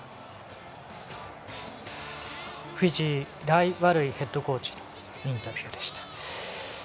フィジーライワルイヘッドコーチのインタビューでした。